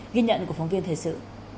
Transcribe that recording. ghi nhận của phóng viên thời sự